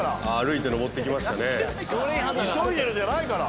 「急いでる」じゃないから。